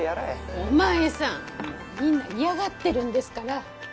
お前さんもうみんな嫌がってるんですから。